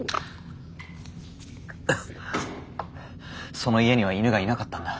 その家には犬がいなかったんだ。